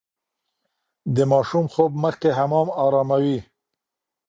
د ماشوم خوب مخکې حمام اراموي.